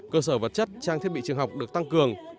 cơ sở vật chất trang thiết bị trường học được tăng cường